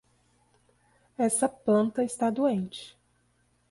Essa planta está doente.